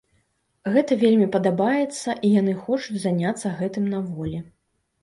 Гэта вельмі падабаецца і яны хочуць заняцца гэтым на волі.